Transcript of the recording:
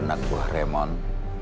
anak buah raymond